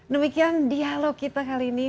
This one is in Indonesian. demikian dialog kita kali ini